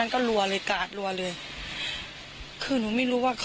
ครับ